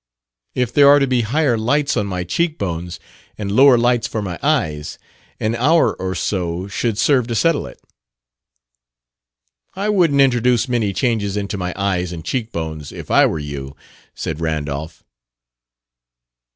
If there are to be higher lights on my cheekbones and lower lights for my eyes, an hour or so should serve to settle it." "I wouldn't introduce many changes into my eyes and cheekbones, if I were you," said Randolph.